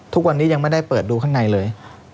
ทุกวันนี้ยังไม่ได้เปิดดูข้างในเลย